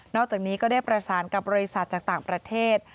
อกจากนี้ก็ได้ประสานกับบริษัทจากต่างประเทศ